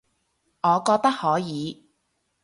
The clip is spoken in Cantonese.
我覺得可以